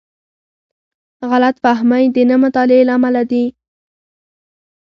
غلط فهمۍ د نه مطالعې له امله دي.